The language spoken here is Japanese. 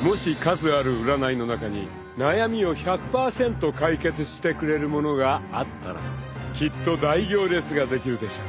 ［もし数ある占いの中に悩みを１００％解決してくれるものがあったらきっと大行列ができるでしょう］